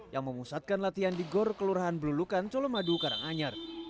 yang memusatkan latihan di gor kelurahan belulukan colomadu karanganyar